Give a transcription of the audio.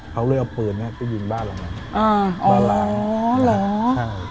เขาเลยเอาปืนไปยิงบ้านหลังนั้นบ้านหลัง